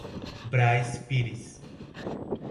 Brás Pires